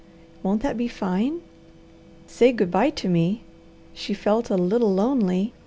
Won't that be fine?" "Say good bye to me!" She felt a "little lonely!"